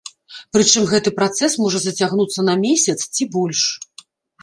Прычым гэты працэс можа зацягнуцца на месяц ці больш.